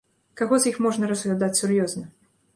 Каго з іх можна разглядаць сур'ёзна?